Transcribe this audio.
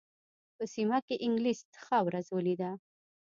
په سیمه کې انګلیس ښه ورځ ولېده.